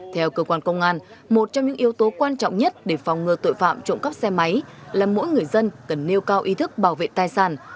theo cơ quan công an một trong những yếu tố quan trọng nhất để phòng ngừa tội phạm trộm cắp xe máy là mỗi người dân cần nêu cao ý thức bảo vệ tài sản